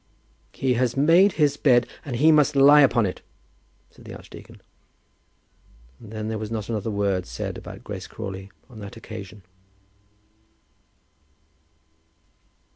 "He has made his bed, and he must lie upon it," said the archdeacon. And then there was not another word said about Grace Crawley on that occasion.